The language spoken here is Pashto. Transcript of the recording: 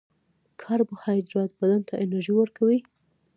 کاربوهایډریټ بدن ته انرژي ورکوي